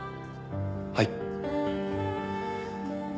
はい。